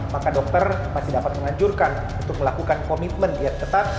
maka dokter masih dapat menganjurkan untuk melakukan komitmen diet ketat